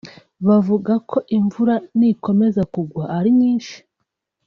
bavuga ko imvura nikomeza kugwa ari nyinshi